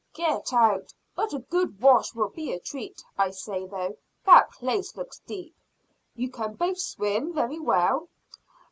"Get out! But a good wash will be a treat. I say, though, that place looks deep. You can both swim very well?"